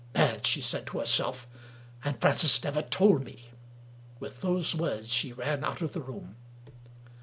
"Mad!" she said to herself, " and Francis never told me! " With those words she ran out of the room.